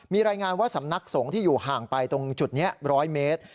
มีรายงานว่าสำนักสงฆ์ที่อยู่ห่างไปตรงจุดนี้๑๐๐เมตร